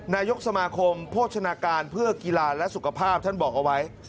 นายกสมาคมโภชนาการเพื่อกีฬาและสุขภาพท่านบอกเอาไว้